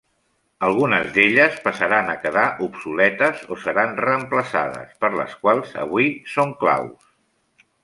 Algunes d'elles passaran a quedar obsoletes o seran reemplaçades per les quals avui són claus.